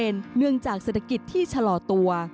เนื่องจากเศรษฐกิจที่ชะลอตัว